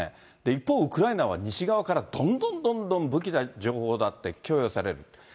一方、ウクライナは西側からどんどんどんどん武器だ、情報だって供与される。